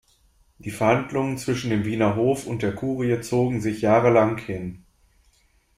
Die Verhandlungen zwischen dem Wiener Hof und der Kurie zogen sich jahrelang hin.